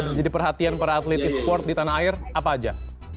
perhatian para atlet e sport di tanah air apa aja